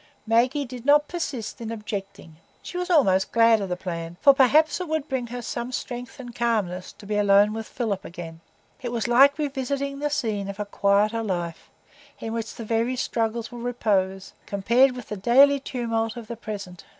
Maggie did not persist in objecting. She was almost glad of the plan, for perhaps it would bring her some strength and calmness to be alone with Philip again; it was like revisiting the scene of a quieter life, in which the very struggles were repose, compared with the daily tumult of the present.